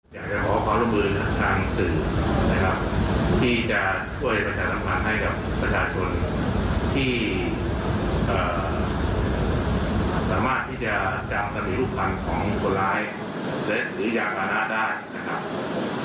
อยากจะขอความร่วมมือทางสื่อนะครับที่จะช่วยประชาสัมพันธ์ให้กับประชาชนที่สามารถที่จะจากปฏิรูปภัณฑ์ของคนร้ายและหรือยานพานะได้นะครับ